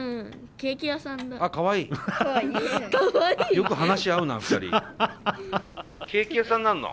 ケーキ屋さんになるの？